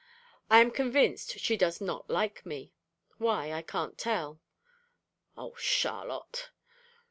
I am convinced she does not like me: why, I can't tell. (O Charlotte!)